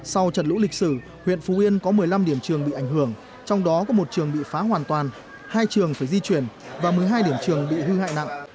sau trận lũ lịch sử huyện phú yên có một mươi năm điểm trường bị ảnh hưởng trong đó có một trường bị phá hoàn toàn hai trường phải di chuyển và một mươi hai điểm trường bị hư hại nặng